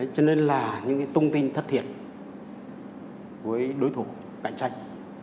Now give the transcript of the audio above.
cho nên là những thông tin thất thiệt với đối thủ cạnh tranh